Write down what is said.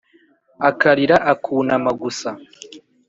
akarira akunama gusa.